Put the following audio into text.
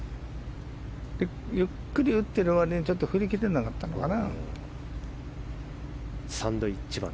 ゆっくり打っている割に振り切れなかったのかな。